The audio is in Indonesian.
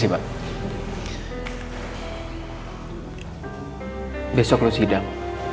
besok lo sidang